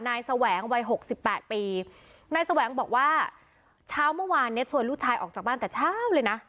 แสวงวัยหกสิบแปดปีนายแสวงบอกว่าเช้าเมื่อวานเนี้ยชวนลูกชายออกจากบ้านแต่เช้าเลยนะ